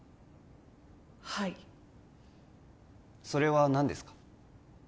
はいそれは何ですか？